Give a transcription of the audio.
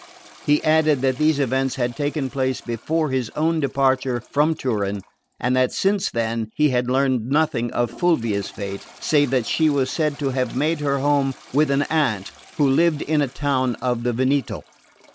He added that these events had taken place before his own departure from Turin, and that since then he had learned nothing of Fulvia's fate, save that she was said to have made her home with an aunt who lived in a town of the Veneto.